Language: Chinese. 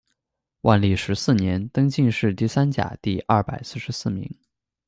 万历十四年，登进士第三甲第二百四十四名。